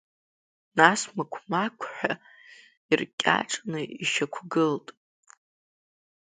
Насмықә, мақҳәа иркьаҿны ишьақәгылт.